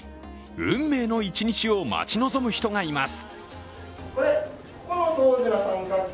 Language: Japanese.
運命の一日を待ち望む人がいます。